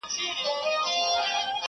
د بوډا مخي ته دي ناست څو ماشومان د کلي٫